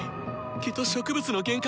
きっと植物の幻覚。